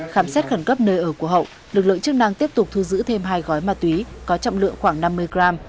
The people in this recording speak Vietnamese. khám xét khẩn cấp nơi ở của hậu lực lượng chức năng tiếp tục thu giữ thêm hai gói ma túy có trọng lượng khoảng năm mươi gram